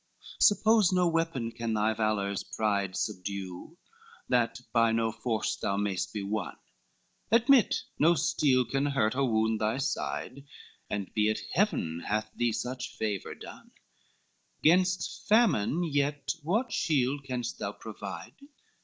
LXXIV "Suppose no weapon can thy valor's pride Subdue, that by no force thou may'st be won, Admit no steel can hurt or wound thy side, And be it Heaven hath thee such favor done: 'Gainst Famine yet what shield canst thou provide?